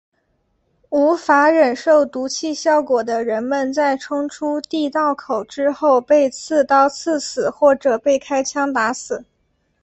无法忍受毒气效果的人们在冲出地道口之后被刺刀刺死或者被开枪打死。